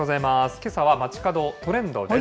けさはまちかどトレンドです。